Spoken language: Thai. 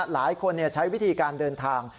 หลายคนใช้วิธีการเดินทาง